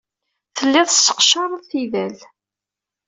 Telliḍ tesseqcareḍ tidal.